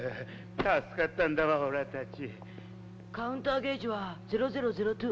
助かったんだわ俺たち。